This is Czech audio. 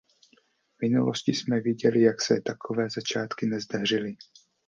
V minulosti jsme viděli, jak se takové začátky nezdařily.